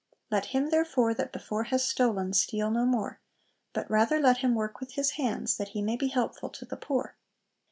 _Let him therefore that before has stolen, steal no more; but rather let him work with his hands that he may be helpful to the poor.